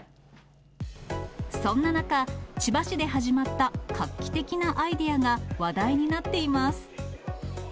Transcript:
そんな中、千葉市で始まった画期的なアイデアが話題になっています。